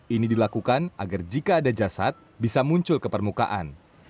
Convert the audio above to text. ini dilakukan agar jika ada jasad bisa muncul ke permukaan